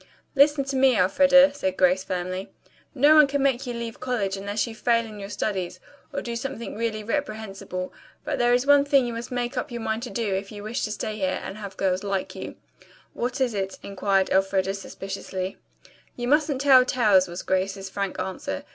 "Listen to me, Elfreda," said Grace firmly. "No one can make you leave college unless you fail in your studies or do something really reprehensible, but there is one thing you must make up your mind to do if you wish to stay here, and have the girls like you." "What is it?" inquired Elfreda suspiciously. "You mustn't tell tales," was Grace's frank answer.